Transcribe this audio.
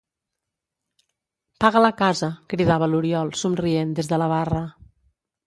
Paga la casa —cridava l'Oriol, somrient, des de la barra.